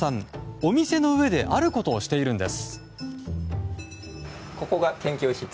お店の上であることをしているんです。